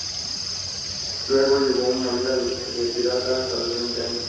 Luego llevó una vida de pirata hasta los veinte años.